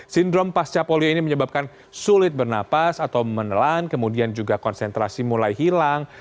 sindrom pasca polio ini menyebabkan sulit bernapas atau menelan kemudian juga konsentrasi mulai hilang